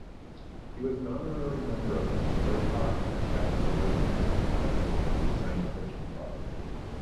He was an honorary member of the Ertar-Czech Relations Society, a science-fiction club.